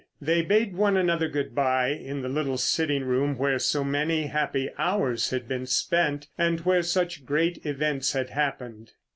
They bade one another good bye in the little sitting room where so many happy hours had been spent—and where such great events had happened.